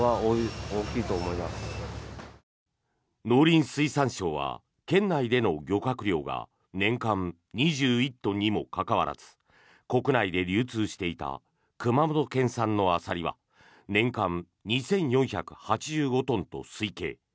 農林水産省は県内での漁獲量が年間２１トンにもかかわらず国内で流通していた熊本県産のアサリは年間２４８５トンと推計。